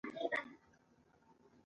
احمد ته مې تېره میاشت دوه زره قرض ورکړې.